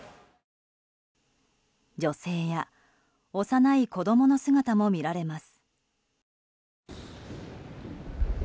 女性や幼い子供の姿も見られます。